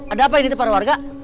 ada apa ini tuh pada warga